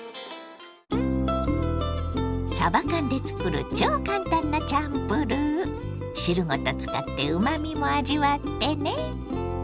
さば缶で作る超簡単なチャンプルー。汁ごと使ってうまみも味わってね。